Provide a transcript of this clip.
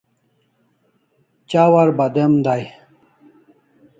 Chawar badem day